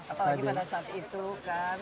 apalagi pada saat itu kan